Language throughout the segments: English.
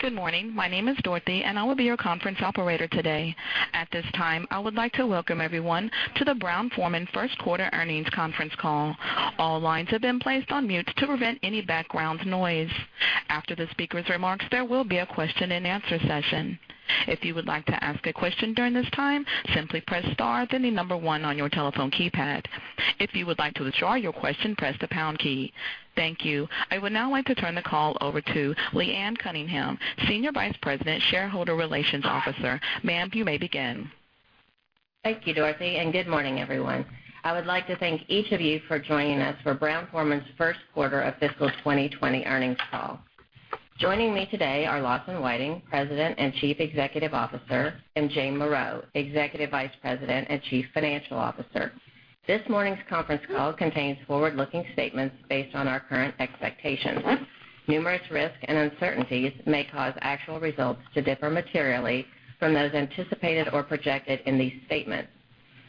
Good morning. My name is Dorothy. I will be your conference operator today. At this time, I would like to welcome everyone to the Brown-Forman first quarter earnings conference call. All lines have been placed on mute to prevent any background noise. After the speaker's remarks, there will be a question and answer session. If you would like to ask a question during this time, simply press star, then the number one on your telephone keypad. If you would like to withdraw your question, press the pound key. Thank you. I would now like to turn the call over to Leanne Cunningham, Senior Vice President, Shareholder Relations Officer. Ma'am, you may begin. Thank you, Dorothy. Good morning, everyone. I would like to thank each of you for joining us for Brown-Forman's first quarter of fiscal 2020 earnings call. Joining me today are Lawson Whiting, President and Chief Executive Officer, and Jane Morreau, Executive Vice President and Chief Financial Officer. This morning's conference call contains forward-looking statements based on our current expectations. Numerous risks and uncertainties may cause actual results to differ materially from those anticipated or projected in these statements.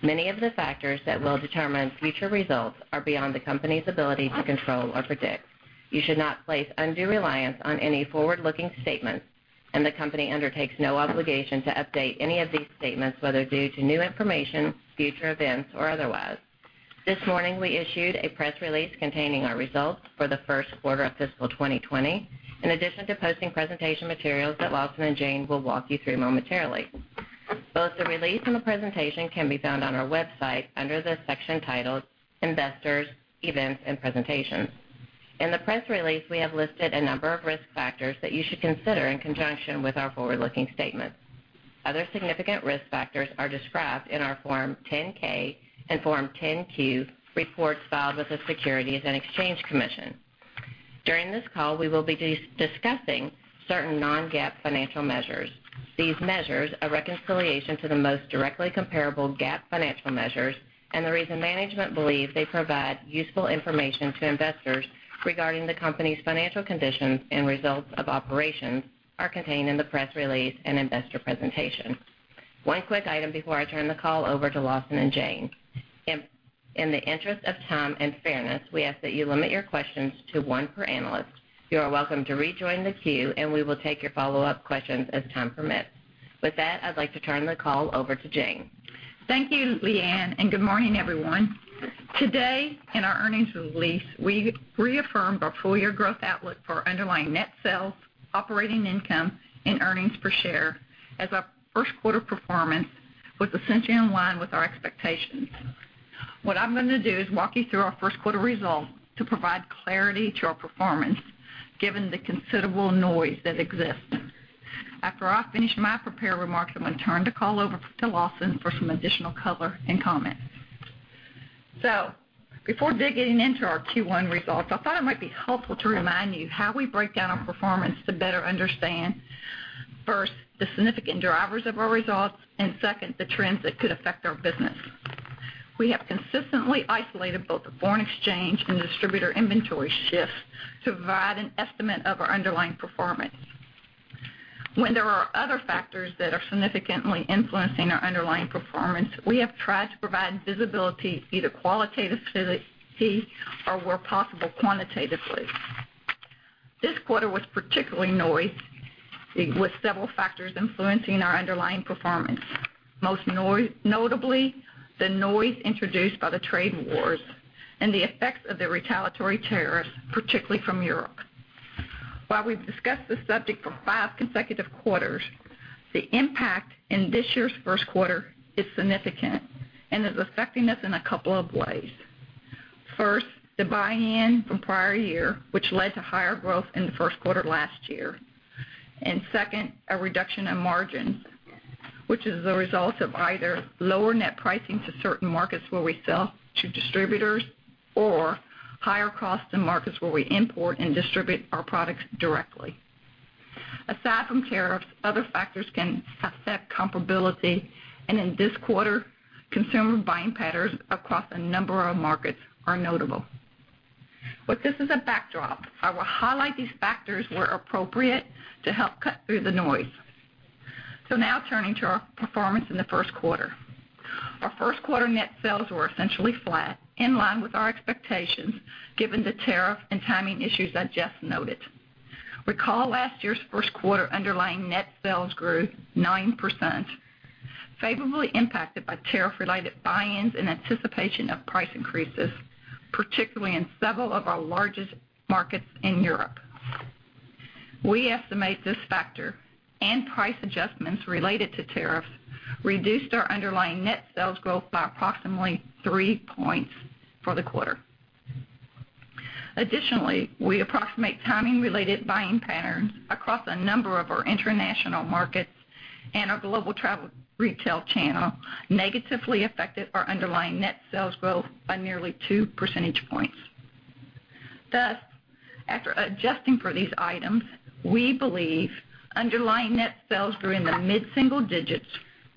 Many of the factors that will determine future results are beyond the company's ability to control or predict. You should not place undue reliance on any forward-looking statements, and the company undertakes no obligation to update any of these statements, whether due to new information, future events, or otherwise. This morning, we issued a press release containing our results for the first quarter of fiscal 2020, in addition to posting presentation materials that Lawson and Jane will walk you through momentarily. Both the release and the presentation can be found on our website under the section titled Investors, Events and Presentations. In the press release, we have listed a number of risk factors that you should consider in conjunction with our forward-looking statements. Other significant risk factors are described in our Form 10-K and Form 10-Q reports filed with the Securities and Exchange Commission. During this call, we will be discussing certain non-GAAP financial measures. These measures, a reconciliation to the most directly comparable GAAP financial measures, and the reason management believe they provide useful information to investors regarding the company's financial conditions and results of operations, are contained in the press release and investor presentation. One quick item before I turn the call over to Lawson and Jane. In the interest of time and fairness, we ask that you limit your questions to one per analyst. You are welcome to rejoin the queue, and we will take your follow-up questions as time permits. With that, I'd like to turn the call over to Jane. Thank you, Leanne. Good morning, everyone. Today, in our earnings release, we reaffirmed our full-year growth outlook for underlying net sales, operating income, and earnings per share as our first quarter performance was essentially in line with our expectations. What I'm going to do is walk you through our first quarter results to provide clarity to our performance, given the considerable noise that exists. After I finish my prepared remarks, I'm going to turn the call over to Lawson for some additional color and comments. Before getting into our Q1 results, I thought it might be helpful to remind you how we break down our performance to better understand, first, the significant drivers of our results, and second, the trends that could affect our business. We have consistently isolated both the foreign exchange and distributor inventory shifts to provide an estimate of our underlying performance. When there are other factors that are significantly influencing our underlying performance, we have tried to provide visibility, either qualitatively or where possible, quantitatively. This quarter was particularly noisy, with several factors influencing our underlying performance, most notably the noise introduced by the trade wars and the effects of the retaliatory tariffs, particularly from Europe. While we've discussed this subject for five consecutive quarters, the impact in this year's first quarter is significant and is affecting us in a couple of ways. First, the buy-in from prior year, which led to higher growth in the first quarter of last year. Second, a reduction in margins, which is a result of either lower net pricing to certain markets where we sell to distributors, or higher costs in markets where we import and distribute our products directly. Aside from tariffs, other factors can affect comparability, and in this quarter, consumer buying patterns across a number of markets are notable. With this as a backdrop, I will highlight these factors where appropriate to help cut through the noise. Now turning to our performance in the first quarter. Our first quarter net sales were essentially flat, in line with our expectations given the tariff and timing issues I just noted. Recall last year's first quarter underlying net sales grew 9%, favorably impacted by tariff-related buy-ins in anticipation of price increases, particularly in several of our largest markets in Europe. We estimate this factor and price adjustments related to tariffs reduced our underlying net sales growth by approximately three points for the quarter. Additionally, we approximate timing-related buying patterns across a number of our international markets and our global travel retail channel negatively affected our underlying net sales growth by nearly two percentage points. After adjusting for these items, we believe underlying net sales grew in the mid-single digits,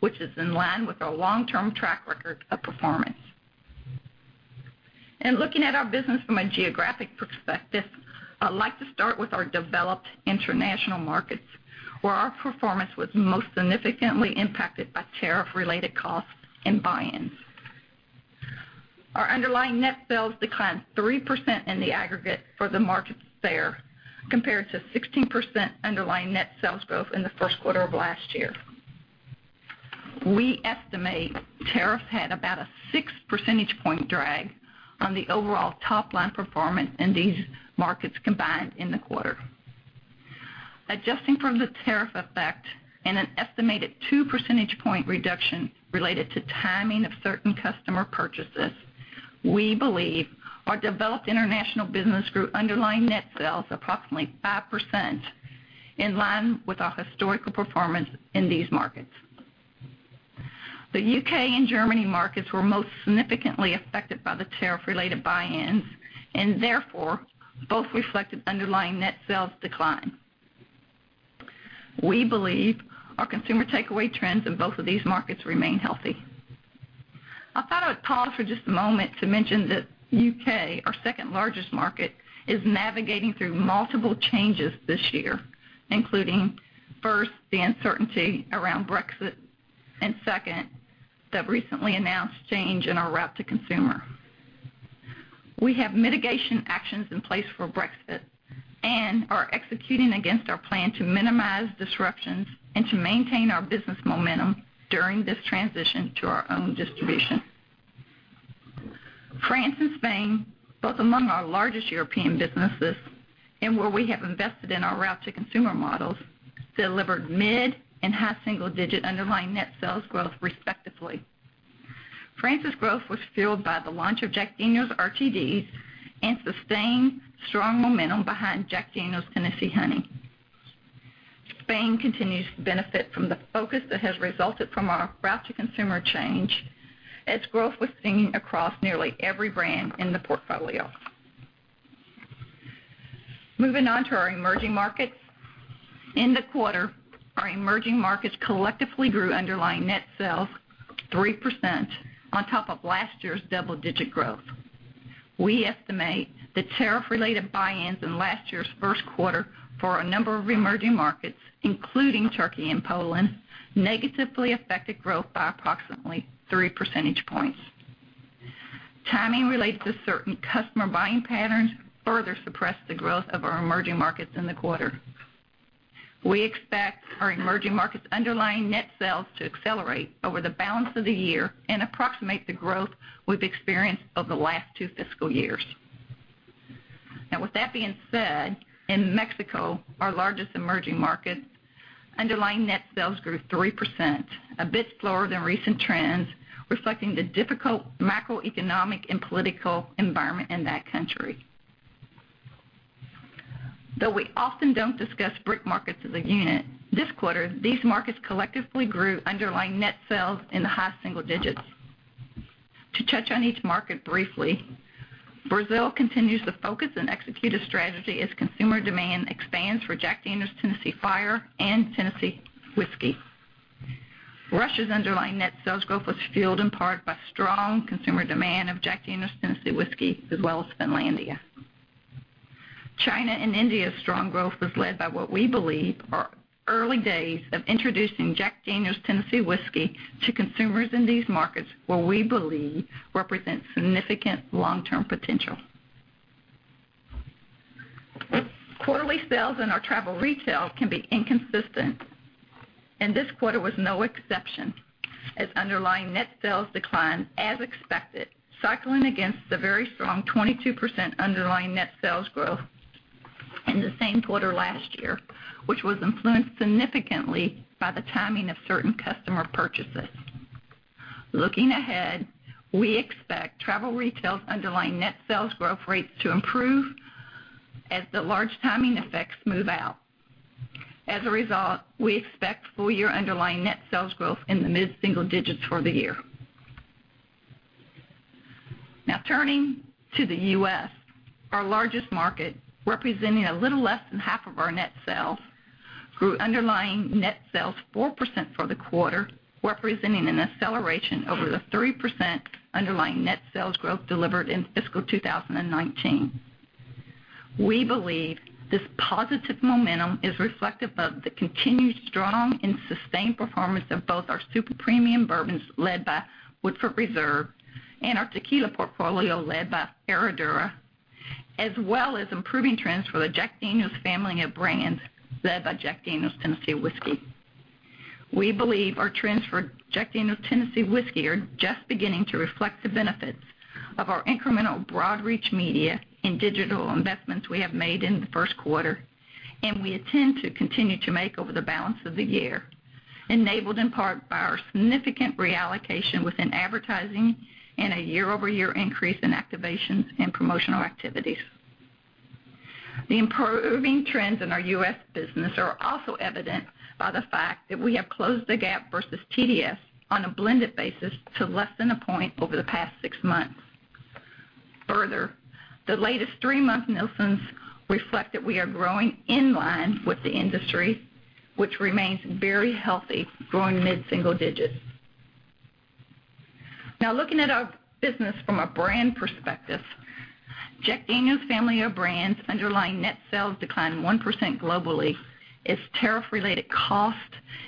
which is in line with our long-term track record of performance. Looking at our business from a geographic perspective, I'd like to start with our developed international markets, where our performance was most significantly impacted by tariff-related costs and buy-ins. Our underlying net sales declined 3% in the aggregate for the markets there, compared to 16% underlying net sales growth in the first quarter of last year. We estimate tariffs had about a six percentage point drag on the overall top-line performance in these markets combined in the quarter. Adjusting for the tariff effect and an estimated 2 percentage point reduction related to timing of certain customer purchases, we believe our developed international business group underlying net sales approximately 5%, in line with our historical performance in these markets. The U.K. and Germany markets were most significantly affected by the tariff-related buy-ins, and therefore, both reflected underlying net sales decline. We believe our consumer takeaway trends in both of these markets remain healthy. I thought I would pause for just a moment to mention that U.K., our second-largest market, is navigating through multiple changes this year, including, first, the uncertainty around Brexit, and second, the recently announced change in our route-to-consumer. We have mitigation actions in place for Brexit and are executing against our plan to minimize disruptions and to maintain our business momentum during this transition to our own distribution. France and Spain, both among our largest European businesses and where we have invested in our route-to-consumer models, delivered mid- and high-single-digit underlying net sales growth respectively. France's growth was fueled by the launch of Jack Daniel's RTDs and sustained strong momentum behind Jack Daniel's Tennessee Honey. Spain continues to benefit from the focus that has resulted from our route-to-consumer change, as growth was seen across nearly every brand in the portfolio. Moving on to our emerging markets. In the quarter, our emerging markets collectively grew underlying net sales 3% on top of last year's double-digit growth. We estimate the tariff-related buy-ins in last year's first quarter for a number of emerging markets, including Turkey and Poland, negatively affected growth by approximately three percentage points. Timing related to certain customer buying patterns further suppressed the growth of our emerging markets in the quarter. We expect our emerging markets' underlying net sales to accelerate over the balance of the year and approximate the growth we've experienced over the last two fiscal years. With that being said, in Mexico, our largest emerging market, underlying net sales grew 3%, a bit slower than recent trends, reflecting the difficult macroeconomic and political environment in that country. We often don't discuss BRIC markets as a unit, this quarter, these markets collectively grew underlying net sales in the high single digits. To touch on each market briefly, Brazil continues to focus and execute a strategy as consumer demand expands for Jack Daniel's Tennessee Fire and Tennessee Whiskey. Russia's underlying net sales growth was fueled in part by strong consumer demand of Jack Daniel's Tennessee Whiskey, as well as Finlandia. China and India's strong growth was led by what we believe are early days of introducing Jack Daniel's Tennessee Whiskey to consumers in these markets, what we believe represents significant long-term potential. Quarterly sales in our travel retail can be inconsistent, and this quarter was no exception, as underlying net sales declined as expected, cycling against the very strong 22% underlying net sales growth in the same quarter last year, which was influenced significantly by the timing of certain customer purchases. Looking ahead, we expect travel retail's underlying net sales growth rates to improve as the large timing effects move out. As a result, we expect full-year underlying net sales growth in the mid-single digits for the year. Turning to the U.S., our largest market, representing a little less than half of our net sales, grew underlying net sales 4% for the quarter, representing an acceleration over the 3% underlying net sales growth delivered in fiscal 2019. We believe this positive momentum is reflective of the continued strong and sustained performance of both our super premium bourbons led by Woodford Reserve and our tequila portfolio led by Herradura, as well as improving trends for the Jack Daniel's family of brands led by Jack Daniel's Tennessee Whiskey. We believe our trends for Jack Daniel's Tennessee Whiskey are just beginning to reflect the benefits of our incremental broad reach media and digital investments we have made in the first quarter, and we intend to continue to make over the balance of the year, enabled in part by our significant reallocation within advertising and a year-over-year increase in activations and promotional activities. The improving trends in our U.S. business are also evident by the fact that we have closed the gap versus TDS on a blended basis to less than a point over the past six months. The latest three-month Nielsen reflect that we are growing in line with the industry, which remains very healthy, growing mid-single digits. Now looking at our business from a brand perspective. Jack Daniel's family of brands underlying net sales declined 1% globally as tariff related costs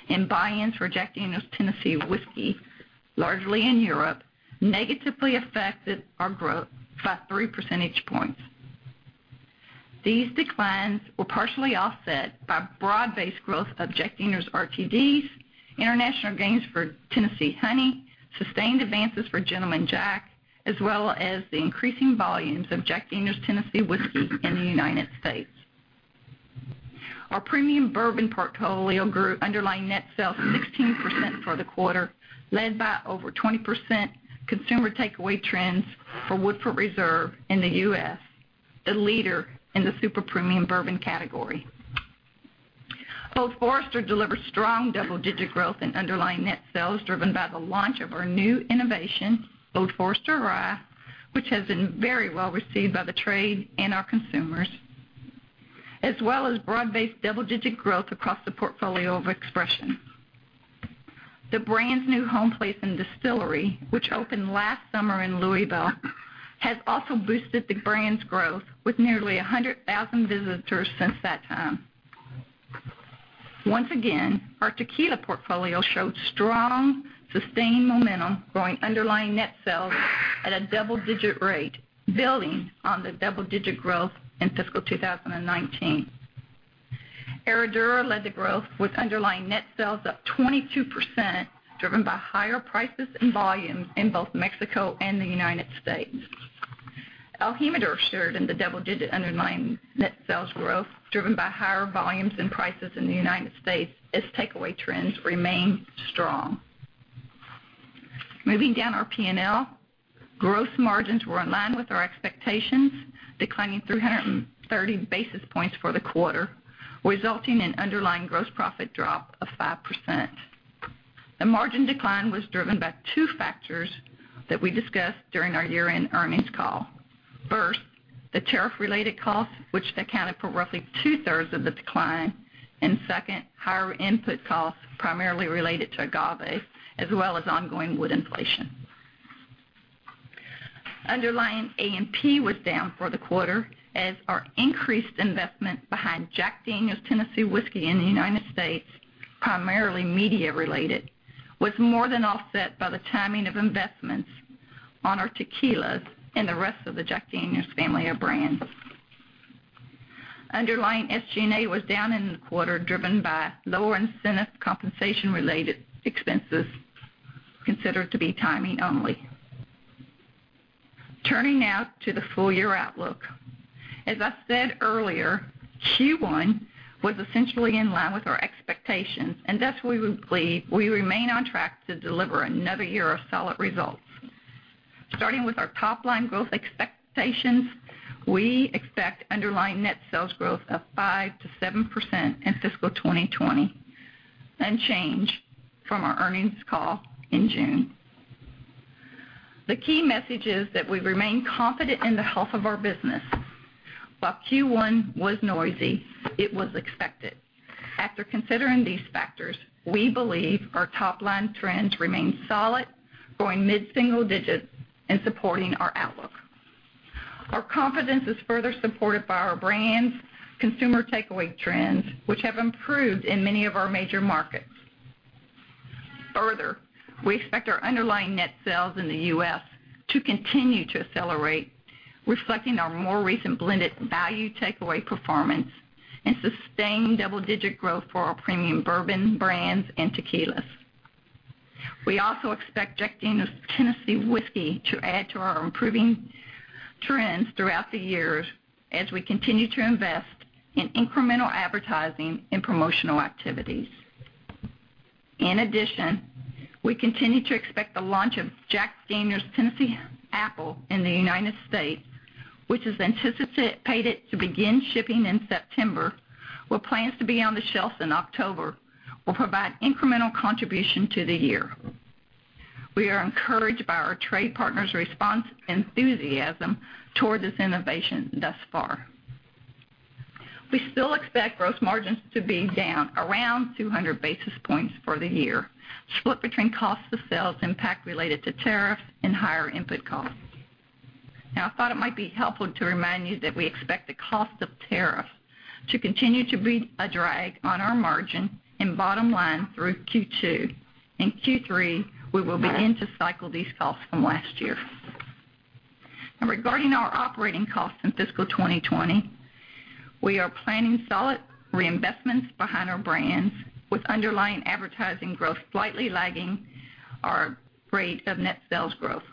and buy-ins for Jack Daniel's Tennessee Whiskey, largely in Europe, negatively affected our growth by three percentage points. These declines were partially offset by broad-based growth of Jack Daniel's RTDs, international gains for Tennessee Honey, sustained advances for Gentleman Jack, as well as the increasing volumes of Jack Daniel's Tennessee Whiskey in the United States. Our premium bourbon portfolio grew underlying net sales 16% for the quarter, led by over 20% consumer takeaway trends for Woodford Reserve in the U.S., the leader in the super premium bourbon category. Old Forester delivered strong double-digit growth in underlying net sales, driven by the launch of our new innovation, Old Forester Rye, which has been very well received by the trade and our consumers, as well as broad-based double-digit growth across the portfolio of expression. The brand's new home place and distillery, which opened last summer in Louisville, has also boosted the brand's growth with nearly 100,000 visitors since that time. Once again, our tequila portfolio showed strong, sustained momentum, growing underlying net sales at a double-digit rate, building on the double-digit growth in fiscal 2019. Herradura led the growth with underlying net sales up 22%, driven by higher prices and volumes in both Mexico and the U.S. el Jimador shared in the double-digit underlying net sales growth, driven by higher volumes and prices in the U.S. as takeaway trends remain strong. Moving down our P&L, growth margins were in line with our expectations, declining 330 basis points for the quarter, resulting in underlying gross profit drop of 5%. The margin decline was driven by two factors that we discussed during our year-end earnings call. First, the tariff related costs, which accounted for roughly two-thirds of the decline, and second, higher input costs primarily related to agave, as well as ongoing wood inflation. Underlying AMP was down for the quarter as our increased investment behind Jack Daniel's Tennessee whiskey in the U.S., primarily media-related, was more than offset by the timing of investments on our tequilas and the rest of the Jack Daniel's family of brands. Underlying SG&A was down in the quarter, driven by lower incentive compensation related expenses, considered to be timing only. Turning now to the full year outlook. As I said earlier, Q1 was essentially in line with our expectations. Thus, we believe we remain on track to deliver another year of solid results. Starting with our top-line growth expectations, we expect underlying net sales growth of 5%-7% in fiscal 2020, no change from our earnings call in June. The key message is that we remain confident in the health of our business. While Q1 was noisy, it was expected. After considering these factors, we believe our top-line trends remain solid, growing mid-single digits and supporting our outlook. Our confidence is further supported by our brands' consumer takeaway trends, which have improved in many of our major markets. We expect our underlying net sales in the U.S. to continue to accelerate, reflecting our more recent blended value takeaway performance and sustained double-digit growth for our premium bourbon brands and tequilas. We also expect Jack Daniel's Tennessee Whiskey to add to our improving trends throughout the year as we continue to invest in incremental advertising and promotional activities. In addition, we continue to expect the launch of Jack Daniel's Tennessee Apple in the U.S., which is anticipated to begin shipping in September, with plans to be on the shelves in October, will provide incremental contribution to the year. We are encouraged by our trade partners' response enthusiasm toward this innovation thus far. We still expect gross margins to be down around 200 basis points for the year, split between cost of sales impact related to tariff and higher input costs. I thought it might be helpful to remind you that we expect the cost of tariff to continue to be a drag on our margin and bottom line through Q2 and Q3. We will begin to cycle these costs from last year. Regarding our operating costs in fiscal 2020, we are planning solid reinvestments behind our brands with underlying advertising growth slightly lagging our rate of net sales growth.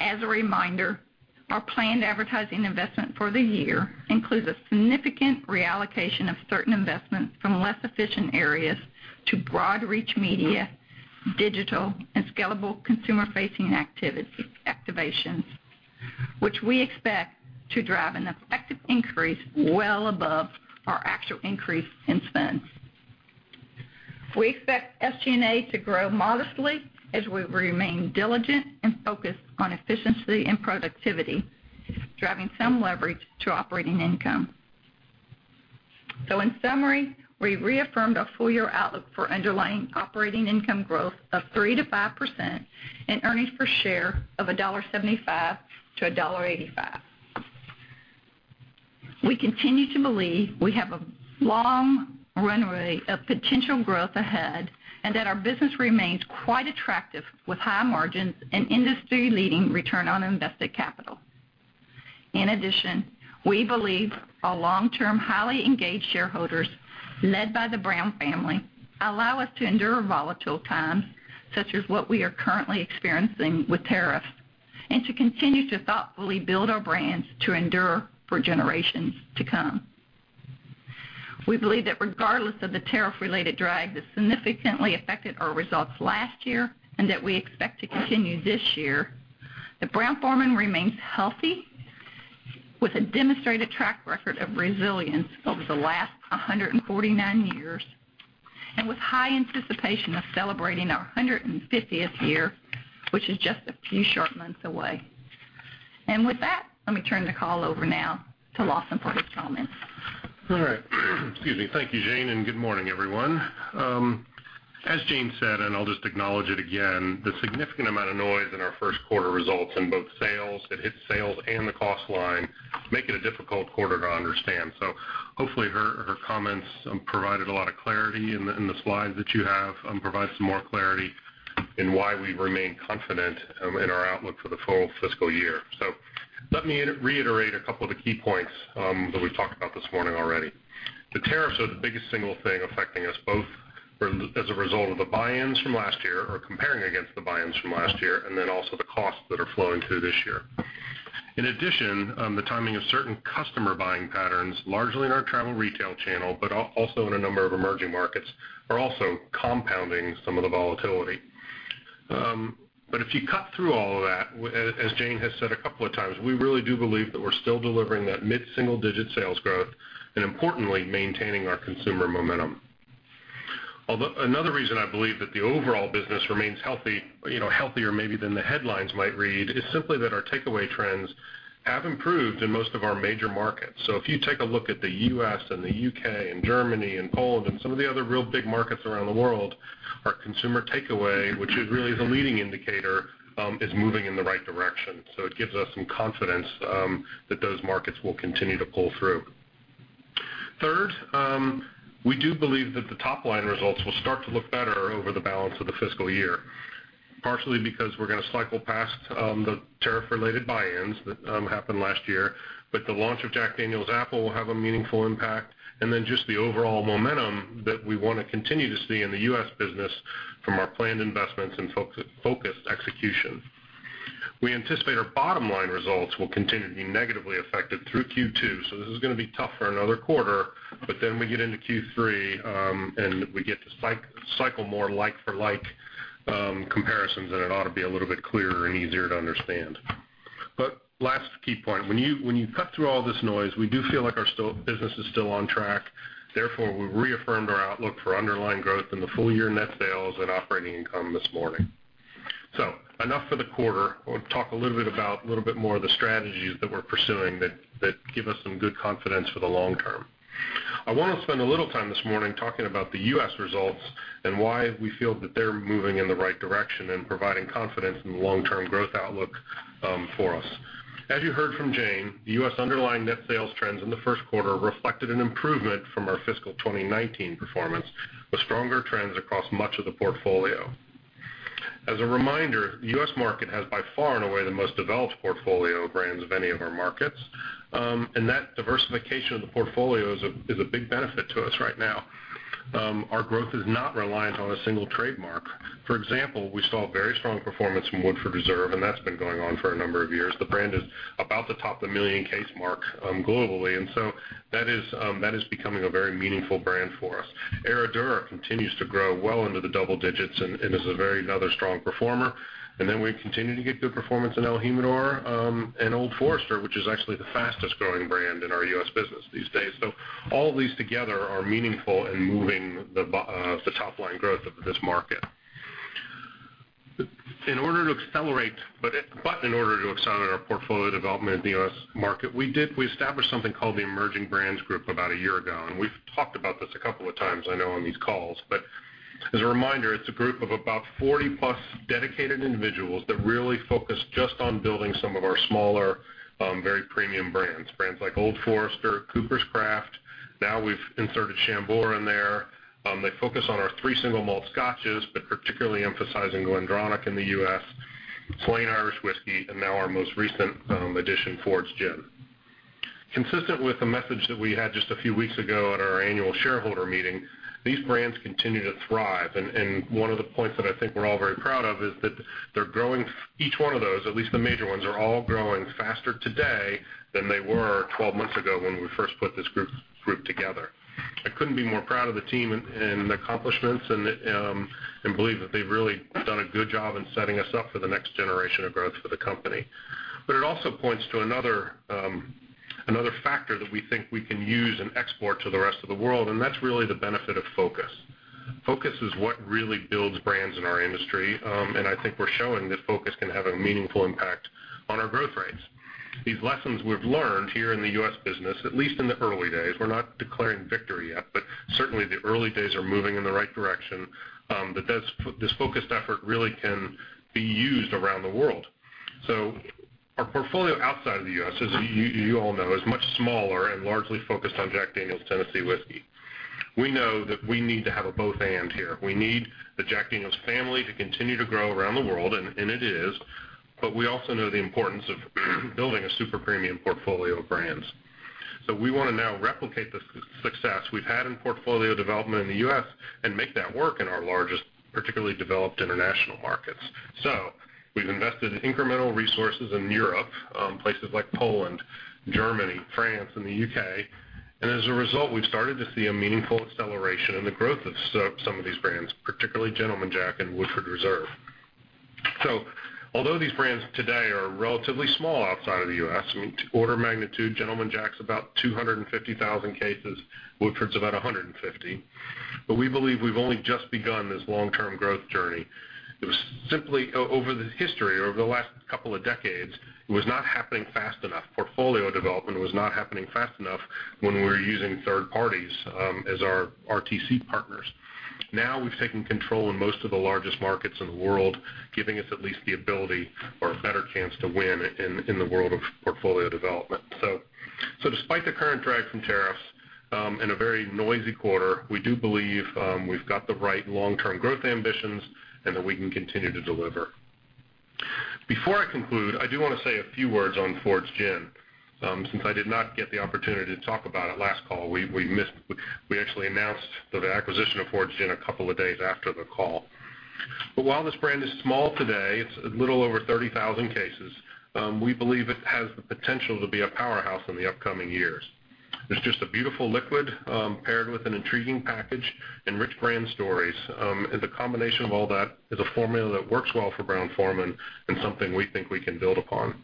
As a reminder, our planned advertising investment for the year includes a significant reallocation of certain investments from less efficient areas to broad reach media, digital and scalable consumer-facing activations, which we expect to drive an effective increase well above our actual increase in spend. We expect SG&A to grow modestly as we remain diligent and focused on efficiency and productivity, driving some leverage to operating income. In summary, we reaffirmed our full-year outlook for underlying operating income growth of 3%-5% and earnings per share of $1.75-$1.85. We continue to believe we have a long runway of potential growth ahead and that our business remains quite attractive with high margins and industry-leading return on invested capital. In addition, we believe our long-term highly engaged shareholders, led by the Brown family, allow us to endure volatile times, such as what we are currently experiencing with tariffs, and to continue to thoughtfully build our brands to endure for generations to come. We believe that regardless of the tariff-related drag that significantly affected our results last year and that we expect to continue this year, that Brown-Forman remains healthy with a demonstrated track record of resilience over the last 149 years, with high anticipation of celebrating our 150th year, which is just a few short months away. With that, let me turn the call over now to Lawson for his comments. All right. Excuse me. Thank you, Jane. Good morning, everyone. As Jane said, and I'll just acknowledge it again, the significant amount of noise in our first quarter results in both sales, it hit sales and the cost line, make it a difficult quarter to understand. Hopefully, her comments provided a lot of clarity. The slides that you have provide some more clarity in why we remain confident in our outlook for the full fiscal year. Let me reiterate a couple of the key points that we've talked about this morning already. The tariffs are the biggest single thing affecting us, both as a result of the buy-ins from last year, or comparing against the buy-ins from last year, and then also the costs that are flowing through this year. In addition, the timing of certain customer buying patterns, largely in our travel retail channel, but also in a number of emerging markets, are also compounding some of the volatility. If you cut through all of that, as Jane has said a couple of times, we really do believe that we're still delivering that mid-single digit sales growth, and importantly, maintaining our consumer momentum. Another reason I believe that the overall business remains healthier maybe than the headlines might read, is simply that our takeaway trends have improved in most of our major markets. If you take a look at the U.S. and the U.K. and Germany and Poland and some of the other real big markets around the world, our consumer takeaway, which is really the leading indicator, is moving in the right direction. It gives us some confidence that those markets will continue to pull through. Third, we do believe that the top-line results will start to look better over the balance of the fiscal year, partially because we're going to cycle past the tariff-related buy-ins that happened last year. The launch of Jack Daniel's Apple will have a meaningful impact, and then just the overall momentum that we want to continue to see in the U.S. business from our planned investments and focused execution. We anticipate our bottom-line results will continue to be negatively affected through Q2, so this is going to be tough for another quarter. Then we get into Q3, and we get to cycle more like for like comparisons, then it ought to be a little bit clearer and easier to understand. Last key point, when you cut through all this noise, we do feel like our business is still on track. Therefore, we've reaffirmed our outlook for underlying growth in the full-year net sales and operating income this morning. Enough for the quarter. We'll talk a little bit more of the strategies that we're pursuing that give us some good confidence for the long term. I want to spend a little time this morning talking about the U.S. results and why we feel that they're moving in the right direction and providing confidence in the long-term growth outlook for us. As you heard from Jane, the U.S. underlying net sales trends in the first quarter reflected an improvement from our fiscal 2019 performance, with stronger trends across much of the portfolio. As a reminder, the U.S. market has by far and away the most developed portfolio of brands of any of our markets. That diversification of the portfolio is a big benefit to us right now. Our growth is not reliant on a single trademark. For example, we saw very strong performance from Woodford Reserve, and that's been going on for a number of years. The brand is about to top the 1 million case mark globally, that is becoming a very meaningful brand for us. Herradura continues to grow well into the double digits and is another very strong performer. We continue to get good performance in el Jimador and Old Forester, which is actually the fastest-growing brand in our U.S. business these days. All of these together are meaningful in moving the top line growth of this market. In order to accelerate our portfolio development in the U.S. market, we established something called the Emerging Brands group about a year ago, and we've talked about this a couple of times, I know, on these calls. As a reminder, it's a group of about 40 plus dedicated individuals that really focus just on building some of our smaller, very premium brands like Old Forester, Coopers' Craft. Now we've inserted Chambord in there. They focus on our three single malt scotches, particularly emphasizing The GlenDronach in the U.S., Slane Irish Whiskey, and now our most recent addition, Fords Gin. Consistent with the message that we had just a few weeks ago at our annual shareholder meeting, these brands continue to thrive. One of the points that I think we're all very proud of is that they're growing, each one of those, at least the major ones, are all growing faster today than they were 12 months ago when we first put this group together. I couldn't be more proud of the team and the accomplishments, and believe that they've really done a good job in setting us up for the next generation of growth for the company. It also points to another factor that we think we can use and export to the rest of the world, and that's really the benefit of focus. Focus is what really builds brands in our industry, and I think we're showing that focus can have a meaningful impact on our growth rates. These lessons we've learned here in the U.S. business, at least in the early days, we're not declaring victory yet, but certainly the early days are moving in the right direction, that this focused effort really can be used around the world. Our portfolio outside of the U.S., as you all know, is much smaller and largely focused on Jack Daniel's Tennessee Whiskey. We know that we need to have a both/and here. We need the Jack Daniel's family to continue to grow around the world, and it is, but we also know the importance of building a super premium portfolio of brands. We want to now replicate the success we've had in portfolio development in the U.S. and make that work in our largest, particularly developed international markets. We've invested incremental resources in Europe, places like Poland, Germany, France, and the U.K., and as a result, we've started to see a meaningful acceleration in the growth of some of these brands, particularly Gentleman Jack and Woodford Reserve. Although these brands today are relatively small outside of the U.S., order of magnitude, Gentleman Jack's about 250,000 cases, Woodford's about 150, but we believe we've only just begun this long-term growth journey. It was simply over the history, over the last couple of decades, it was not happening fast enough. Portfolio development was not happening fast enough when we were using third parties as our RTC partners. Now we've taken control in most of the largest markets in the world, giving us at least the ability or a better chance to win in the world of portfolio development. Despite the current drag from tariffs, in a very noisy quarter, we do believe we've got the right long-term growth ambitions and that we can continue to deliver. Before I conclude, I do want to say a few words on Fords Gin. Since I did not get the opportunity to talk about it last call, we actually announced the acquisition of Fords Gin a couple of days after the call. While this brand is small today, it's a little over 30,000 cases, we believe it has the potential to be a powerhouse in the upcoming years. It's just a beautiful liquid, paired with an intriguing package and rich brand stories. The combination of all that is a formula that works well for Brown-Forman and something we think we can build upon.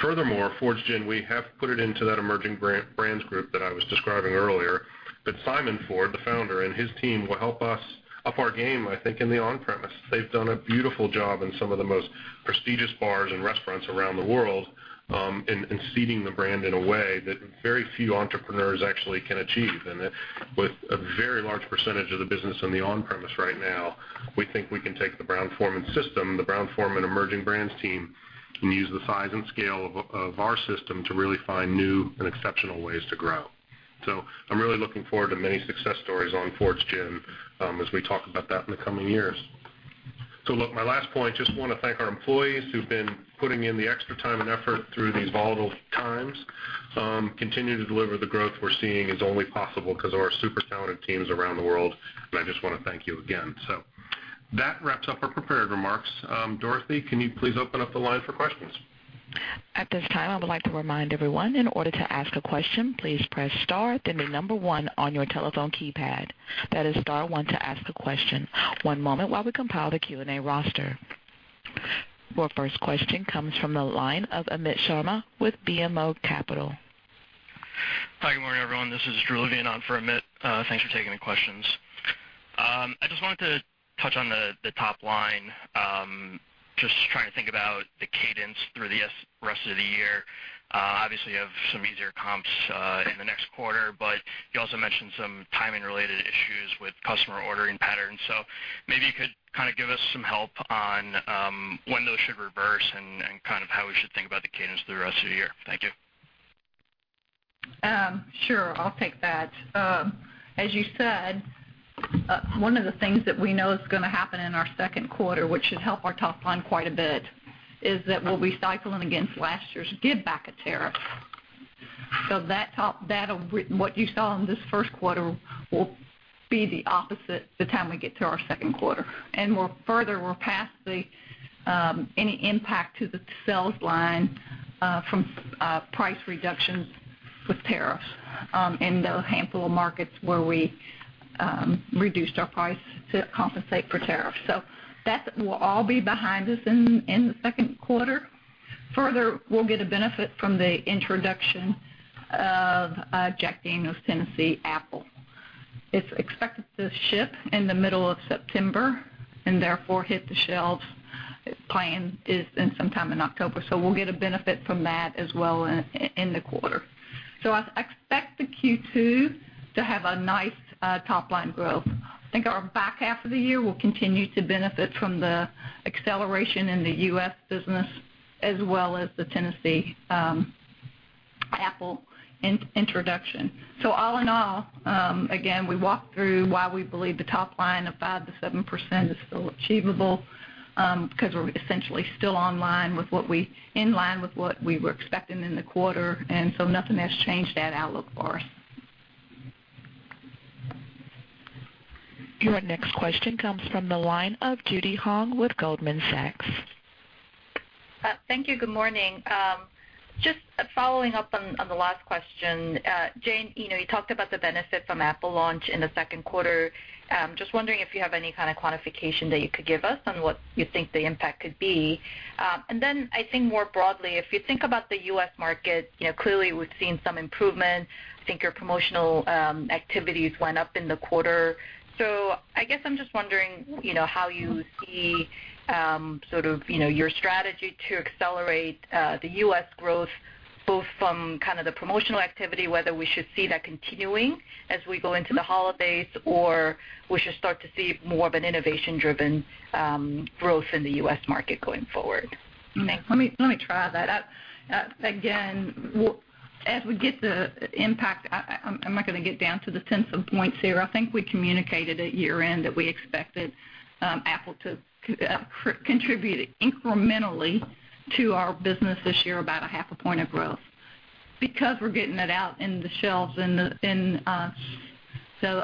Fords Gin, we have put it into that Emerging Brands group that I was describing earlier, that Simon Ford, the founder, and his team will help us up our game, I think, in the on-premise. They've done a beautiful job in some of the most prestigious bars and restaurants around the world, in seeding the brand in a way that very few entrepreneurs actually can achieve. With a very large percentage of the business on the on-premise right now, we think we can take the Brown-Forman system, the Brown-Forman Emerging Brands team, and use the size and scale of our system to really find new and exceptional ways to grow. I'm really looking forward to many success stories on Fords Gin as we talk about that in the coming years. Look, my last point, I just want to thank our employees who've been putting in the extra time and effort through these volatile times. Continue to deliver the growth we're seeing is only possible because of our super talented teams around the world, and I just want to thank you again. That wraps up our prepared remarks. Dorothy, can you please open up the line for questions? At this time, I would like to remind everyone, in order to ask a question, please press star, then the number one on your telephone keypad. That is star one to ask a question. One moment while we compile the Q&A roster. Your first question comes from the line of Amit Sharma with BMO Capital. Hi, good morning, everyone. This is Drew living in on for Amit. Thanks for taking the questions. I just wanted to touch on the top line. Just trying to think about the cadence through the rest of the year. Obviously, you have some easier comps in the next quarter, but you also mentioned some timing related issues with customer ordering patterns. Maybe you could give us some help on when those should reverse and how we should think about the cadence through the rest of the year. Thank you. Sure. I'll take that. As you said, one of the things that we know is going to happen in our second quarter, which should help our top line quite a bit, is that we'll be cycling against last year's give back a tariff. What you saw in this first quarter will be the opposite the time we get to our second quarter. Further, we're past any impact to the sales line from price reductions with tariffs in the handful of markets where we reduced our price to compensate for tariffs. That will all be behind us in the second quarter. Further, we'll get a benefit from the introduction of Jack Daniel's Tennessee Apple. It's expected to ship in the middle of September and therefore hit the shelves, plan is in sometime in October. We'll get a benefit from that as well in the quarter. I expect the Q2 to have a nice top-line growth. I think our back half of the year will continue to benefit from the acceleration in the U.S. business as well as the Tennessee Apple introduction. All in all, again, we walked through why we believe the top-line of 5%-7% is still achievable, because we're essentially still in line with what we were expecting in the quarter, nothing has changed that outlook for us. Your next question comes from the line of Judy Hong with Goldman Sachs. Thank you. Good morning. Just following up on the last question. Jane, you talked about the benefit from Apple launch in the second quarter. Just wondering if you have any kind of quantification that you could give us on what you think the impact could be. I think more broadly, if you think about the U.S. market, clearly, we've seen some improvement. I think your promotional activities went up in the quarter. I guess I'm just wondering, how you see your strategy to accelerate the U.S. growth, both from the promotional activity, whether we should see that continuing as we go into the holidays, or we should start to see more of an innovation-driven growth in the U.S. market going forward. Let me try that. Again, as we get the impact, I'm not going to get down to the tens of points here. I think we communicated at year-end that we expected Apple to contribute incrementally to our business this year about a half a point of growth. We're getting it out in the shelves in the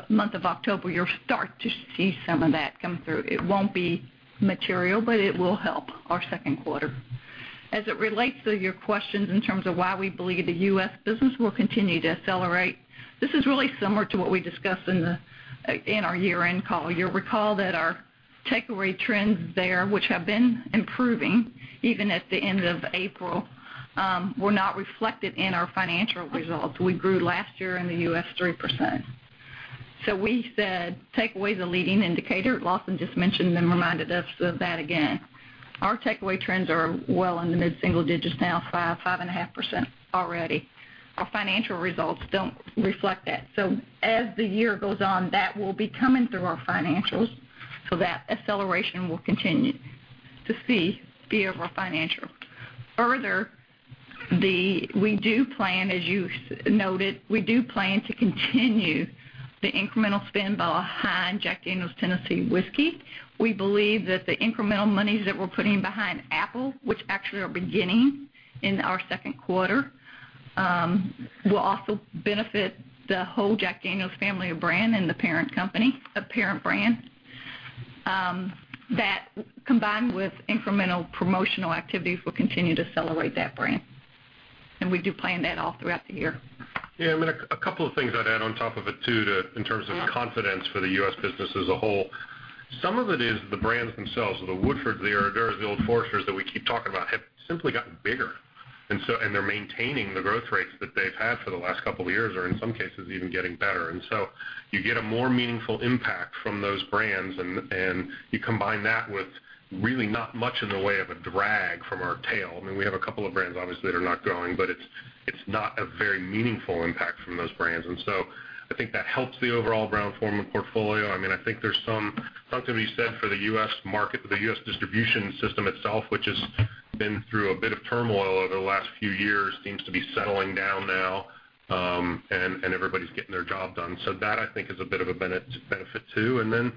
month of October, you'll start to see some of that come through. It won't be material, it will help our second quarter. As it relates to your questions in terms of why we believe the U.S. business will continue to accelerate, this is really similar to what we discussed in our year-end call. You'll recall that our takeaway trends there, which have been improving even at the end of April, were not reflected in our financial results. We grew last year in the U.S. 3%. We said, takeaway is a leading indicator. Lawson just mentioned and reminded us of that again. Our takeaway trends are well in the mid-single digits now, 5.5% already. Our financial results don't reflect that. As the year goes on, that will be coming through our financials, so that acceleration we'll continue to see via our financials. Further, we do plan, as you noted, we do plan to continue the incremental spend behind Jack Daniel's Tennessee Whiskey. We believe that the incremental monies that we're putting behind Apple, which actually are beginning in our second quarter, will also benefit the whole Jack Daniel's family of brands and the parent brand. That, combined with incremental promotional activities, will continue to accelerate that brand. We do plan that all throughout the year. Yeah, a couple of things I'd add on top of it, too, in terms of confidence for the U.S. business as a whole. Some of it is the brands themselves, the Woodfords, the Herraduras, the Old Foresters that we keep talking about, have simply gotten bigger. They're maintaining the growth rates that they've had for the last couple of years or in some cases even getting better. So you get a more meaningful impact from those brands, and you combine that with really not much in the way of a drag from our tail. We have a couple of brands, obviously, that are not growing, but it's not a very meaningful impact from those brands. So I think that helps the overall Brown-Forman portfolio. I think there's something to be said for the U.S. market, the U.S. distribution system itself, which has been through a bit of turmoil over the last few years, seems to be settling down now, and everybody's getting their job done. That I think is a bit of a benefit, too.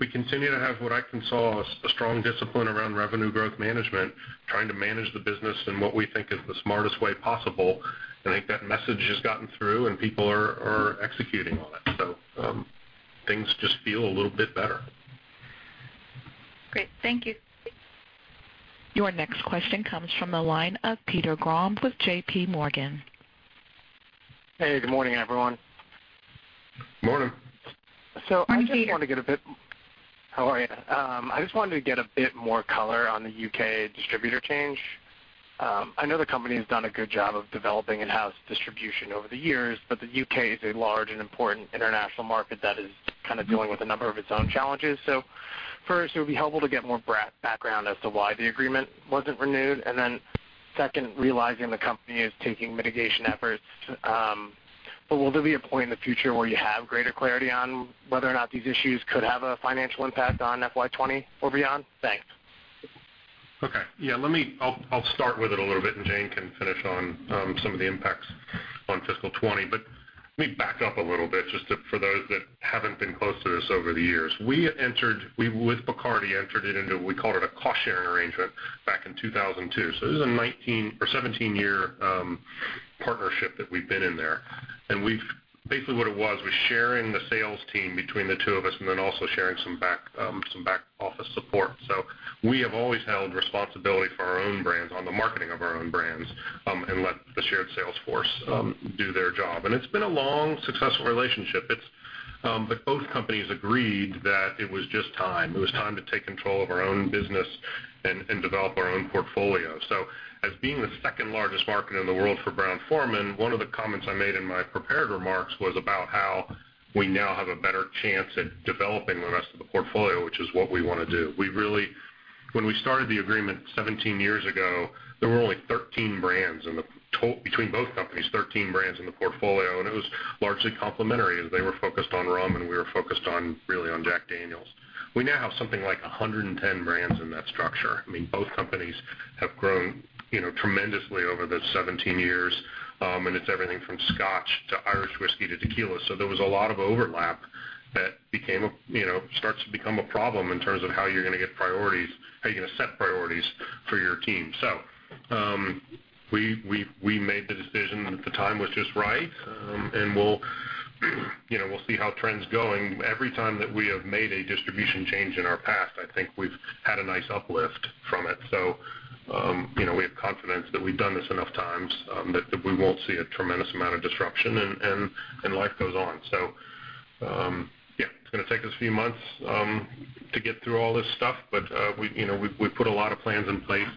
We continue to have what I can call a strong discipline around revenue growth management, trying to manage the business in what we think is the smartest way possible. I think that message has gotten through and people are executing on it. Things just feel a little bit better. Great. Thank you. Your next question comes from the line of Peter Grom with JPMorgan. Hey, good morning, everyone. Morning. Morning, Peter. How are you? I just wanted to get a bit more color on the U.K. distributor change. I know the company has done a good job of developing in-house distribution over the years, but the U.K. is a large and important international market that is dealing with a number of its own challenges. First, it would be helpful to get more background as to why the agreement wasn't renewed, and then second, realizing the company is taking mitigation efforts. Will there be a point in the future where you have greater clarity on whether or not these issues could have a financial impact on FY 2020 or beyond? Thanks. Okay. Yeah, I'll start with it a little bit, Jane can finish on some of the impacts on fiscal 2020. Let me back up a little bit just for those that haven't been close to this over the years. We, with Bacardi, entered it into, we called it a cost-sharing arrangement back in 2002. This is a 17-year partnership that we've been in there. Basically what it was sharing the sales team between the two of us and then also sharing some back-office support. We have always held responsibility for our own brands, on the marketing of our own brands, and let the shared sales force do their job. It's been a long, successful relationship. Both companies agreed that it was just time. It was time to take control of our own business and develop our own portfolio. As being the second-largest market in the world for Brown-Forman, one of the comments I made in my prepared remarks was about how we now have a better chance at developing the rest of the portfolio, which is what we want to do. When we started the agreement 17 years ago, there were only 13 brands between both companies, 13 brands in the portfolio, and it was largely complementary, as they were focused on rum, and we were focused really on Jack Daniel's. We now have something like 110 brands in that structure. Both companies have grown tremendously over the 17 years, and it's everything from scotch to Irish whiskey to tequila. There was a lot of overlap that starts to become a problem in terms of how you're going to set priorities for your team. We made the decision that the time was just right, and we'll see how trend's going. Every time that we have made a distribution change in our past, I think we've had a nice uplift from it. We have confidence that we've done this enough times that we won't see a tremendous amount of disruption, and life goes on. Yeah, it's going to take us a few months to get through all this stuff, but we've put a lot of plans in place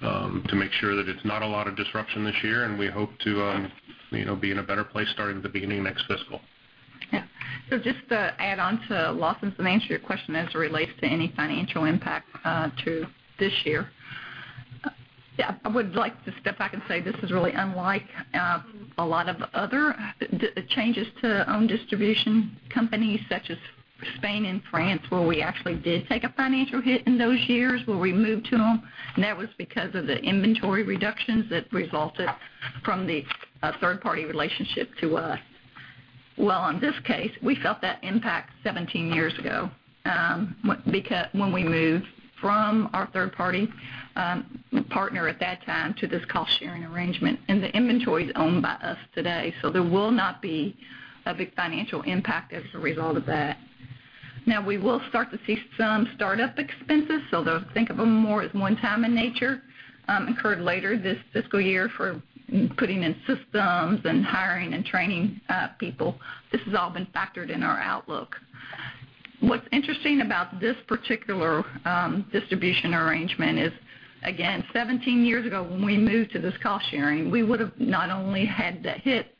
to make sure that it's not a lot of disruption this year, and we hope to be in a better place starting at the beginning of next fiscal. Just to add on to Lawson's and answer your question as it relates to any financial impact to this year. I would like to step back and say this is really unlike a lot of other changes to own distribution companies such as Spain and France, where we actually did take a financial hit in those years when we moved to them, and that was because of the inventory reductions that resulted from the third-party relationship to us. On this case, we felt that impact 17 years ago when we moved from our third party partner at that time to this cost-sharing arrangement, and the inventory is owned by us today. There will not be a big financial impact as a result of that. We will start to see some startup expenses. Think of them more as one time in nature, incurred later this fiscal year for putting in systems and hiring and training people. This has all been factored in our outlook. What's interesting about this particular distribution arrangement is, again, 17 years ago, when we moved to this cost sharing, we would've not only had that hit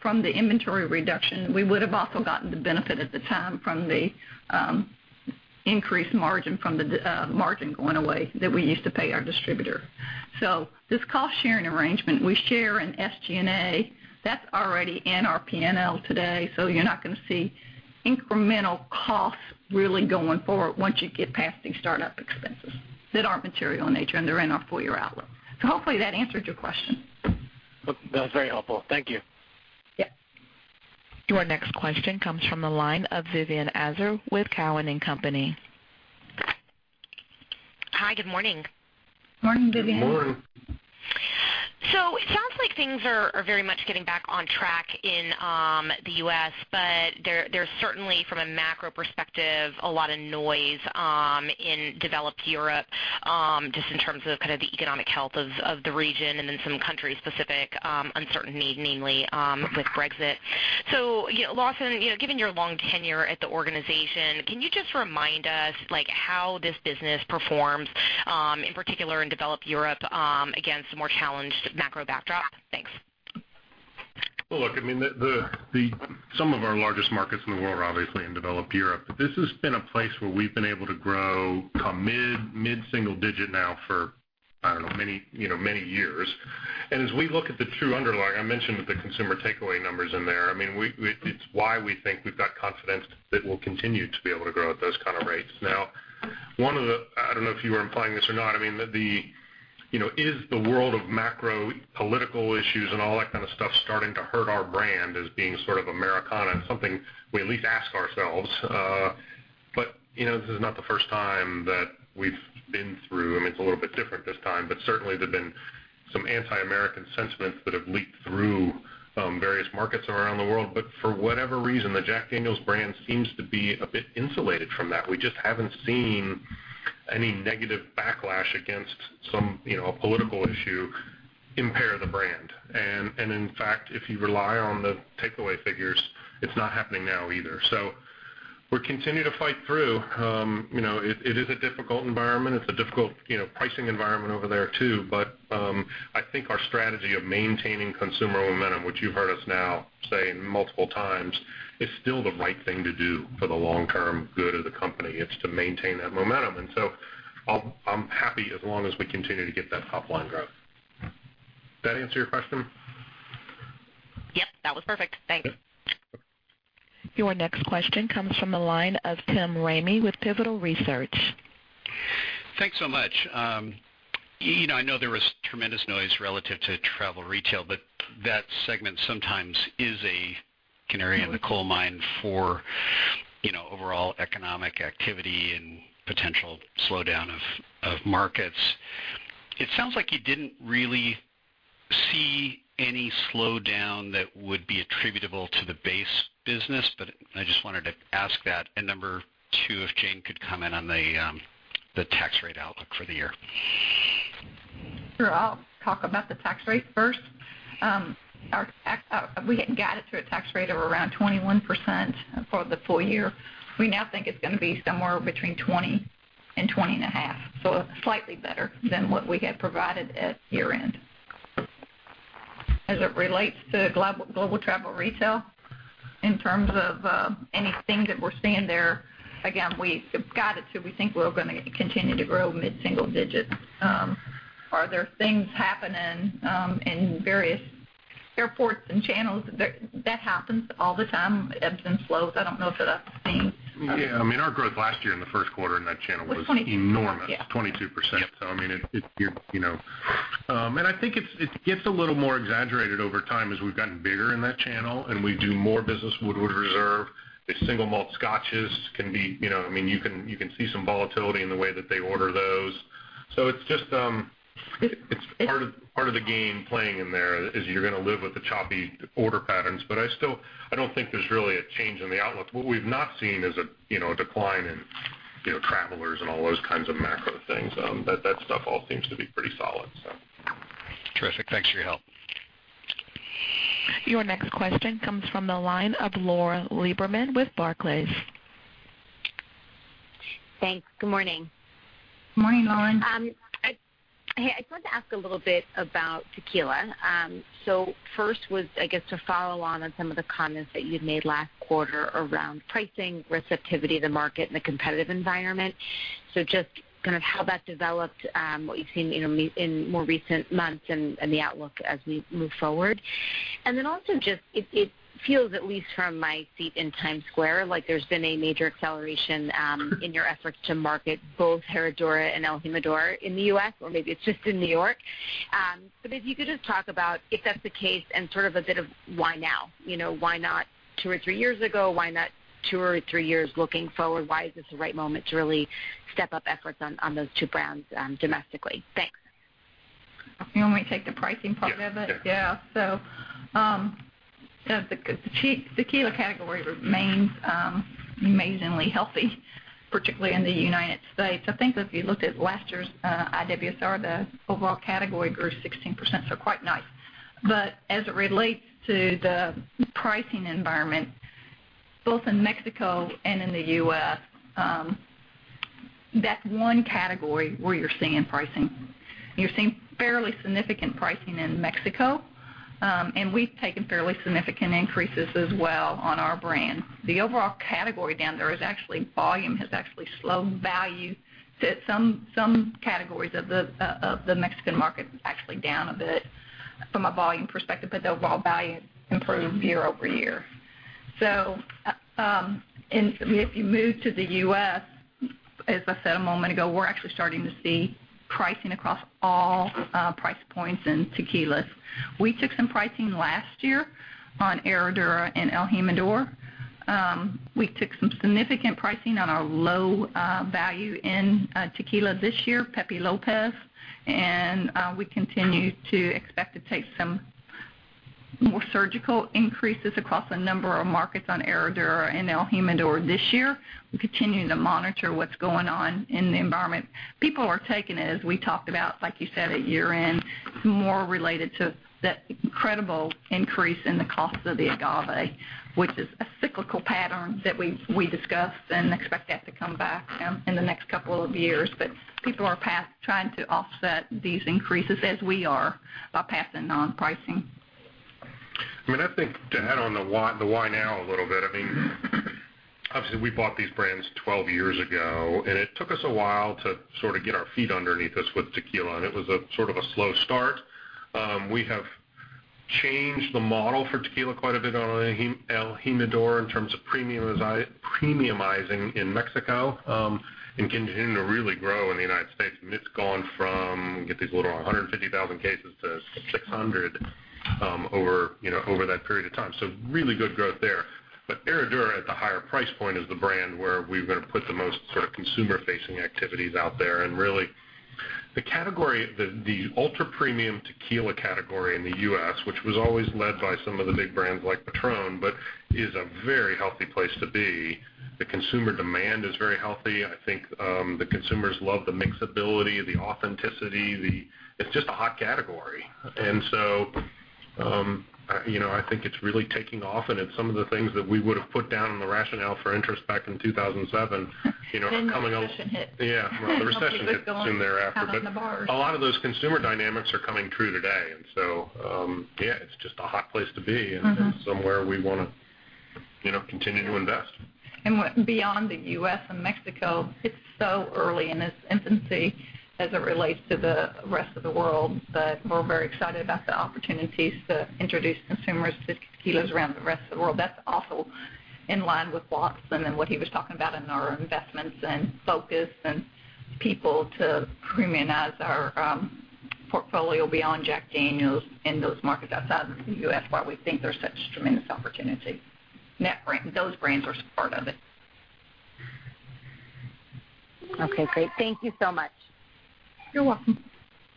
from the inventory reduction, we would've also gotten the benefit at the time from the increased margin from the margin going away that we used to pay our distributor. This cost-sharing arrangement, we share in SG&A, that's already in our P&L today, so you're not going to see incremental costs really going forward once you get past these startup expenses that aren't material in nature, and they're in our full-year outlook. Hopefully that answered your question. That was very helpful. Thank you. Yeah. Your next question comes from the line of Vivien Azer with Cowen and Company. Hi, good morning. Morning, Vivien. Good morning. It sounds like things are very much getting back on track in the U.S., but there's certainly, from a macro perspective, a lot of noise in developed Europe, just in terms of kind of the economic health of the region and then some country-specific uncertainty, mainly with Brexit. Lawson, given your long tenure at the organization, can you just remind us, like, how this business performs, in particular in developed Europe, against a more challenged macro backdrop? Thanks. Well, look, I mean, some of our largest markets in the world are obviously in developed Europe, but this has been a place where we've been able to grow mid-single digit now for, I don't know, many years. As we look at the true underlying, I mentioned with the consumer takeaway numbers in there, it's why we think we've got confidence that we'll continue to be able to grow at those kind of rates. Now, one of the I don't know if you were implying this or not, I mean, is the world of macro political issues and all that kind of stuff starting to hurt our brand as being sort of Americana? It's something we at least ask ourselves. This is not the first time that we've been through, I mean, it's a little bit different this time, but certainly there've been some anti-American sentiments that have leaked through various markets around the world. For whatever reason, the Jack Daniel's brand seems to be a bit insulated from that. We just haven't seen any negative backlash against some political issue impair the brand. In fact, if you rely on the takeaway figures, it's not happening now either. We continue to fight through. It is a difficult environment. It's a difficult pricing environment over there, too. I think our strategy of maintaining consumer momentum, which you've heard us now say multiple times, is still the right thing to do for the long-term good of the company. It's to maintain that momentum. I'm happy as long as we continue to get that top-line growth. That answer your question? Yep. That was perfect. Thanks. Your next question comes from the line of Tim Ramey with Pivotal Research. Thanks so much. I know there was tremendous noise relative to travel retail, but that segment sometimes is a canary in the coal mine for overall economic activity and potential slowdown of markets. It sounds like you didn't really see any slowdown that would be attributable to the base business, but I just wanted to ask that. Number two, if Jane could comment on the tax rate outlook for the year. Sure. I'll talk about the tax rate first. We had guided to a tax rate of around 21% for the full year. We now think it's going to be somewhere between 20% and 20.5%, so slightly better than what we had provided at year-end. As it relates to global travel retail, in terms of anything that we're seeing there, again, we've guided to, we think we're going to continue to grow mid-single digit. Are there things happening in various airports and channels? That happens all the time, ebbs and flows. I don't know if that's the same. Yeah. I mean, our growth last year in the first quarter in that channel was enormous. Was 22%, yeah. 22%. Yep. I mean I think it gets a little more exaggerated over time as we've gotten bigger in that channel, and we do more business with Woodford Reserve. The single malt scotches You can see some volatility in the way that they order those. It's part of the game playing in there, is you're going to live with the choppy order patterns. I don't think there's really a change in the outlook. What we've not seen is a decline in travelers and all those kinds of macro things. That stuff all seems to be pretty solid, so. Terrific. Thanks for your help. Your next question comes from the line of Lauren Lieberman with Barclays. Thanks. Good morning. Morning, Lauren. Hey, I just wanted to ask a little bit about tequila. First was, I guess, to follow on some of the comments that you'd made last quarter around pricing, receptivity to market and the competitive environment. Just kind of how that developed, what you've seen in more recent months and the outlook as we move forward. Also just, it feels, at least from my seat in Times Square, like there's been a major acceleration in your efforts to market both Herradura and el Jimador in the U.S., or maybe it's just in New York. If you could just talk about if that's the case and sort of a bit of why now? Why not two or three years ago? Why not two or three years looking forward? Why is this the right moment to really step up efforts on those two brands domestically? Thanks. You want me to take the pricing part of it? Yeah. The tequila category remains amazingly healthy, particularly in the U.S. I think if you looked at last year's IWSR, the overall category grew 16%, quite nice. As it relates to the pricing environment, both in Mexico and in the U.S., that's one category where you're seeing pricing. You're seeing fairly significant pricing in Mexico, and we've taken fairly significant increases as well on our brand. The overall category down there is actually volume has actually slowed value to some categories of the Mexican market, actually down a bit from a volume perspective, the overall value improved year over year. If you move to the U.S., as I said a moment ago, we're actually starting to see pricing across all price points in tequilas. We took some pricing last year on Herradura and el Jimador. We took some significant pricing on our low value in tequila this year, Pepe Lopez, and we continue to expect to take some more surgical increases across a number of markets on Herradura and el Jimador this year. We're continuing to monitor what's going on in the environment. People are taking it, as we talked about, like you said, at year-end, more related to that incredible increase in the cost of the agave, which is a cyclical pattern that we discussed and expect that to come back in the next couple of years. People are trying to offset these increases as we are, by passing on pricing. I think to add on the why now a little bit, obviously, we bought these brands 12 years ago, and it took us a while to sort of get our feet underneath us with tequila, and it was a sort of a slow start. We have changed the model for tequila quite a bit on el Jimador in terms of premiumizing in Mexico, and continuing to really grow in the United States. It's gone from, I think if I can get these little, 150,000 cases to 600 over that period of time. Really good growth there. Herradura at the higher price point is the brand where we're going to put the most sort of consumer-facing activities out there. Really, the category, the ultra-premium tequila category in the U.S., which was always led by some of the big brands like Patrón, but is a very healthy place to be. The consumer demand is very healthy. I think, the consumers love the mixability, the authenticity. It's just a hot category. I think it's really taking off, and it's some of the things that we would've put down in the rationale for interest back in 2007 are coming. The recession hit. Yeah, well, the recession hit soon thereafter. To keep it going out on the bars. A lot of those consumer dynamics are coming true today, and so, yeah, it's just a hot place to be. Somewhere we want to continue to invest. Beyond the U.S. and Mexico, it's so early in its infancy as it relates to the rest of the world. We're very excited about the opportunities to introduce consumers to tequilas around the rest of the world. That's also in line with Lawson and what he was talking about in our investments and focus and people to premiumize our portfolio beyond Jack Daniel's in those markets outside of the U.S., why we think there's such tremendous opportunity. Those brands are part of it. Okay, great. Thank you so much. You're welcome.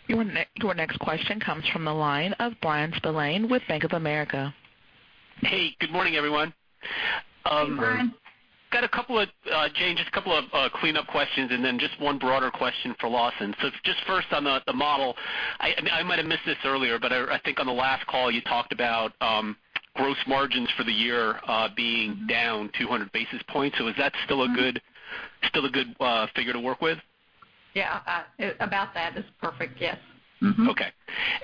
Your next question comes from the line of Bryan Spillane with Bank of America. Hey, good morning, everyone. Good morning. Got a couple of, Jane, just a couple of cleanup questions and then just one broader question for Lawson. Just first on the model. I might have missed this earlier, I think on the last call you talked about gross margins for the year being down 200 basis points. Is that still a good figure to work with? Yeah. About that is perfect, yes. Okay.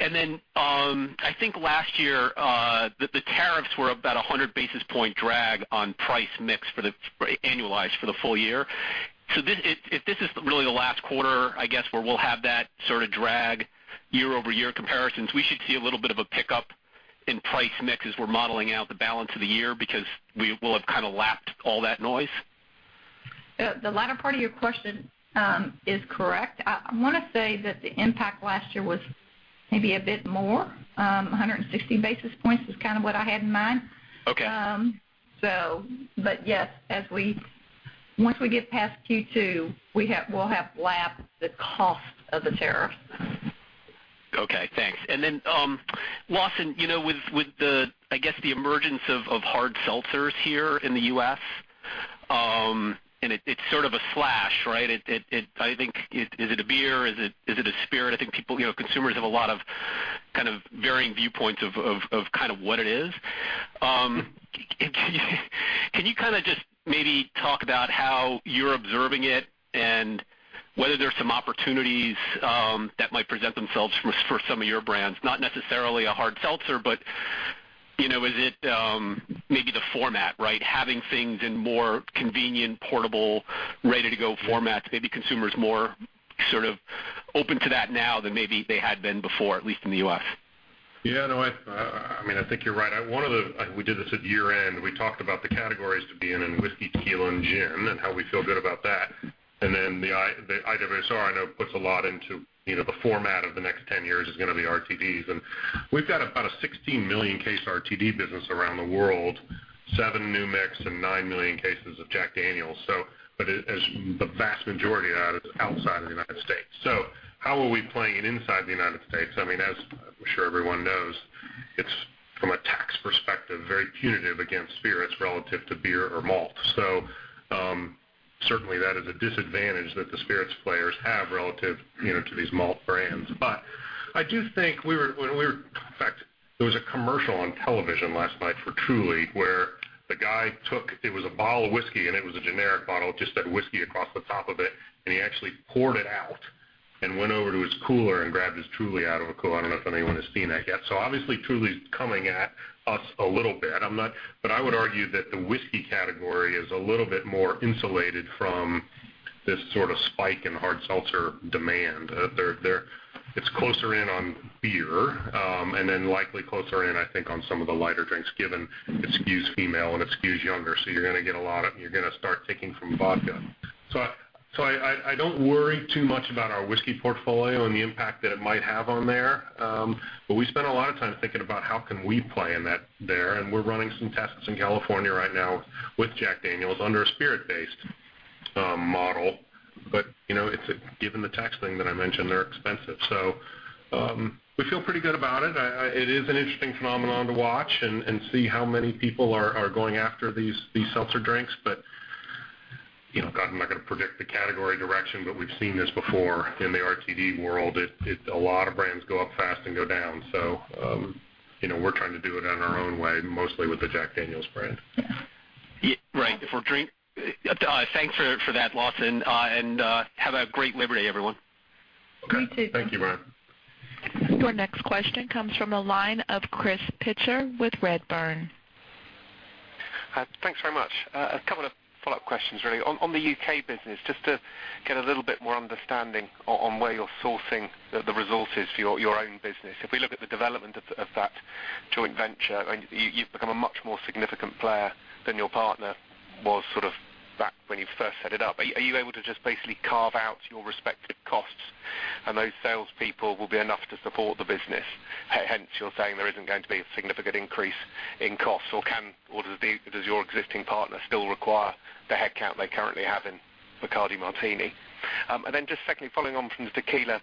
I think last year, the tariffs were about 100 basis point drag on price mix annualized for the full year. If this is really the last quarter, I guess, where we'll have that sort of drag year-over-year comparisons, we should see a little bit of a pickup in price mix as we're modeling out the balance of the year because we will have kind of lapped all that noise? The latter part of your question is correct. I want to say that the impact last year was maybe a bit more, 160 basis points is kind of what I had in mind. Okay. Yes, once we get past Q2, we'll have lapped the cost of the tariffs. Okay, thanks. Lawson, with the, I guess, the emergence of hard seltzers here in the U.S. And it's sort of a slash, right? Is it a beer? Is it a spirit? I think consumers have a lot of varying viewpoints of what it is. Can you just maybe talk about how you're observing it and whether there's some opportunities that might present themselves for some of your brands, not necessarily a hard seltzer, but is it maybe the format, right? Having things in more convenient, portable, ready-to-go formats, maybe consumers more open to that now than maybe they had been before, at least in the U.S. No, I think you're right. We did this at year-end. We talked about the categories to be in whiskey, tequila, and gin, and how we feel good about that. Then the IWSR, I know, puts a lot into the format of the next 10 years is going to be RTDs. We've got about a 16 million case RTD business around the world, seven New Mix and nine million cases of Jack Daniel's. The vast majority of that is outside of the United States. How are we playing it inside the United States? As I'm sure everyone knows, it's, from a tax perspective, very punitive against spirits relative to beer or malt. Certainly that is a disadvantage that the spirits players have relative to these malt brands. I do think, in fact, there was a commercial on television last night for Truly, where the guy took, it was a bottle of whiskey, and it was a generic bottle. It just said "Whiskey" across the top of it. He actually poured it out and went over to his cooler and grabbed his Truly out of a cooler. I don't know if anyone has seen that yet. Obviously, Truly's coming at us a little bit. I would argue that the whiskey category is a little bit more insulated from this sort of spike in hard seltzer demand. It's closer in on beer, and then likely closer in, I think, on some of the lighter drinks, given it skews female and it skews younger, so you're going to start taking from vodka. I don't worry too much about our whiskey portfolio and the impact that it might have on there. We spend a lot of time thinking about how can we play in that there, and we're running some tests in California right now with Jack Daniel's under a spirit-based model. Given the tax thing that I mentioned, they're expensive. We feel pretty good about it. It is an interesting phenomenon to watch and see how many people are going after these seltzer drinks. God, I'm not going to predict the category direction, but we've seen this before in the RTD world. A lot of brands go up fast and go down. We're trying to do it in our own way, mostly with the Jack Daniel's brand. Yeah. Right. Thanks for that, Lawson, and have a great Labor Day, everyone. Okay. You too. Thank you, Bryan. Your next question comes from the line of Chris Pitcher with Redburn. Thanks very much. A couple of follow-up questions, really. On the U.K. business, just to get a little bit more understanding on where you're sourcing the resources for your own business. If we look at the development of that joint venture, and you've become a much more significant player than your partner was sort of back when you first set it up. Are you able to just basically carve out your respective costs, and those salespeople will be enough to support the business? Hence, you're saying there isn't going to be a significant increase in costs, or does your existing partner still require the headcount they currently have in Bacardi-Martini? Then just secondly, following on from the tequila,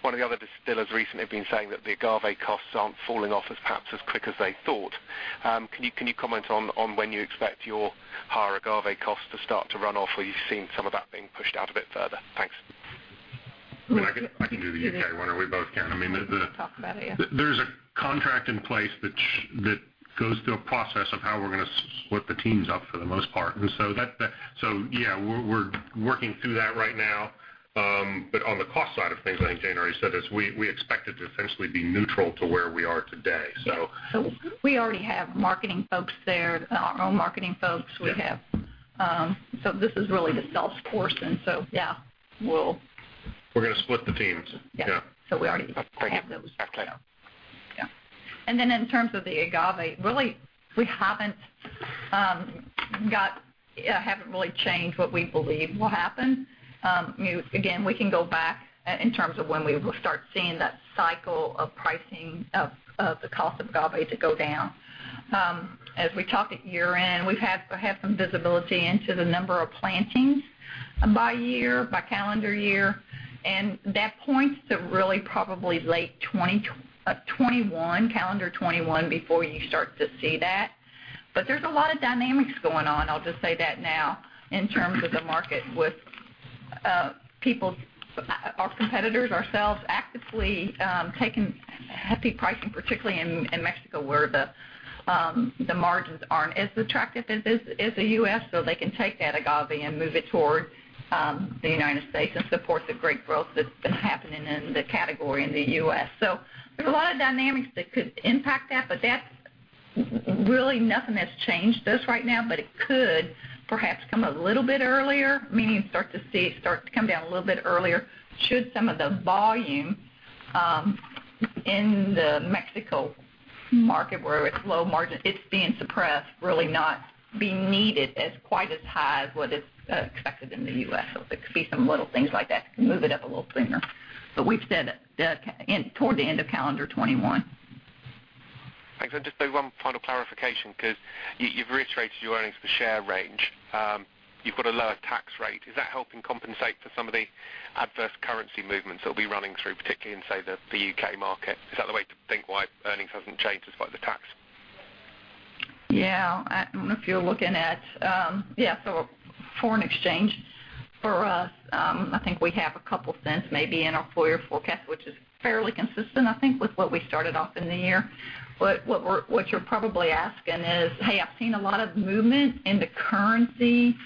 one of the other distillers recently have been saying that the agave costs aren't falling off as perhaps as quick as they thought. Can you comment on when you expect your higher agave costs to start to run off, or are you seeing some of that being pushed out a bit further? Thanks. I can do the U.K. one, or we both can. We can talk about it, yeah. There's a contract in place that goes through a process of how we're going to split the teams up for the most part. Yeah, we're working through that right now. On the cost side of things, I think Jane already said this, we expect it to essentially be neutral to where we are today. Yeah. We already have marketing folks there, our own marketing folks. Yeah. This is really the sales force. Yeah. We'll We're going to split the teams. Yeah. Yeah. We already have those. Yeah. In terms of the agave, really, we haven't really changed what we believe will happen. Again, we can go back in terms of when we will start seeing that cycle of pricing, of the cost of agave to go down. As we talked at year-end, we have had some visibility into the number of plantings by calendar year, and that points to really probably late 2021, calendar 2021, before you start to see that. There's a lot of dynamics going on, I'll just say that now, in terms of the market with our competitors, ourselves, actively taking happy pricing, particularly in Mexico, where the margins aren't as attractive as the U.S., so they can take that agave and move it towards the United States and support the great growth that's been happening in the category in the U.S. There's a lot of dynamics that could impact that, but really nothing that's changed just right now, but it could perhaps come a little bit earlier, meaning start to come down a little bit earlier should some of the volume in the Mexico market, where it's low margin, it's being suppressed, really not being needed as quite as high as what is expected in the U.S. It could be some little things like that can move it up a little sooner. We've said toward the end of calendar 2021. Thanks. Just one final clarification, because you've reiterated your earnings per share range. You've got a lower tax rate. Is that helping compensate for some of the adverse currency movements that'll be running through, particularly in, say, the U.K. market? Is that the way to think why earnings hasn't changed despite the tax? Yeah. I don't know if you're looking at foreign exchange for us, I think we have a couple cents maybe in our full year forecast, which is fairly consistent, I think, with what we started off in the year. What you're probably asking is, Hey, I've seen a lot of movement in the currency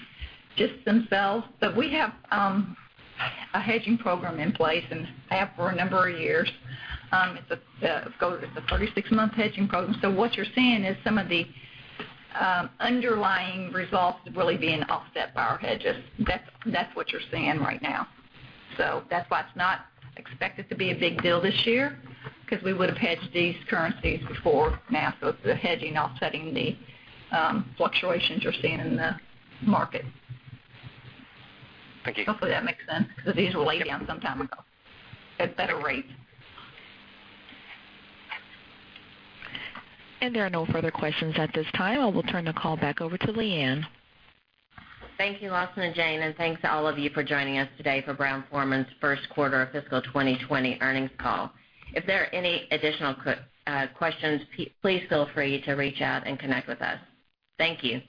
just themselves. We have a hedging program in place, and have for a number of years. It's a 36-month hedging program. What you're seeing is some of the underlying results really being offset by our hedges. That's what you're seeing right now. That's why it's not expected to be a big deal this year, because we would've hedged these currencies before now. It's the hedging offsetting the fluctuations you're seeing in the market. Thank you. Hopefully that makes sense, because these were laid down some time ago at better rates. There are no further questions at this time. I will turn the call back over to Leanne. Thank you, Lawson and Jane, and thanks to all of you for joining us today for Brown-Forman's first quarter fiscal 2020 earnings call. If there are any additional questions, please feel free to reach out and connect with us. Thank you.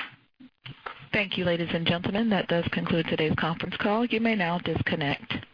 Thank you, ladies and gentlemen. That does conclude today's conference call. You may now disconnect.